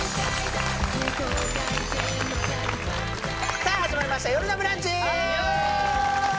さあ始まりました「よるのブランチ」